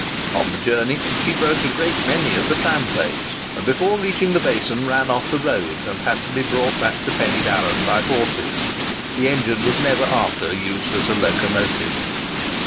On the journey she broke a great many of the tram plates, and before reaching the basin ran off the road, and had to be brought back to Pen y darran by horses. The engine was never after used as a locomotive."